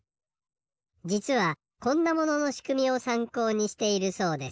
じつはこんなもののしくみをさんこうにしているそうです。